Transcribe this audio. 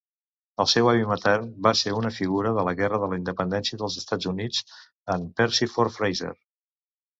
El seu avi matern va ser una figura de la Guerra de la Independència dels Estats Units, en Persifor Frazer.